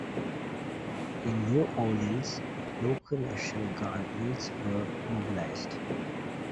In New Orleans, local National Guard units were mobilized.